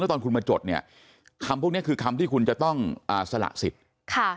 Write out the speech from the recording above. ตอนคุณมาจดเนี่ยคำพวกนี้คือคำที่คุณจะต้องอ่าสละสิทธิ์ค่ะ